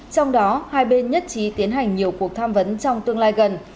trong đó hai bên nhất trí tiến hành nhiều cuộc tham vấn trong tương lai gần